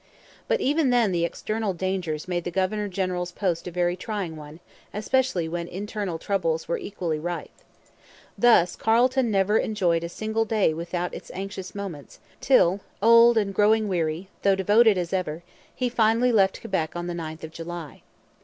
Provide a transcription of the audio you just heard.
But even then the external dangers made the governor general's post a very trying one, especially when internal troubles were equally rife. Thus Carleton never enjoyed a single day without its anxious moments till, old and growing weary, though devoted as ever, he finally left Quebec on the 9th of July.